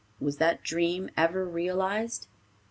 Was that dream ever realized?